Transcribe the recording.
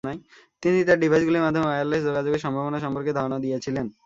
তিনি তার ডিভাইসগুলির মাধ্যমে ওয়্যারলেস যোগাযোগের সম্ভাবনা সম্পর্কে ধারণা দিয়েছিলেন।